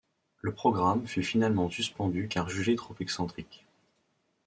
Le programme fut finalement suspendu car jugé trop excentrique.